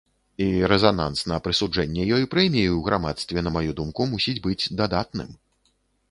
І рэзананс на прысуджэнне ёй прэміі ў грамадстве, на маю думку, мусіць быць дадатным.